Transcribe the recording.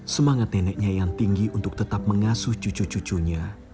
semangat neneknya yang tinggi untuk tetap mengasuh cucu cucunya